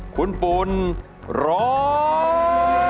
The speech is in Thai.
คุณปุ่นร้อง